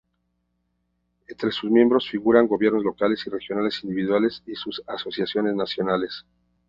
Entre sus miembros figuran gobiernos locales y regionales individuales y sus asociaciones nacionales.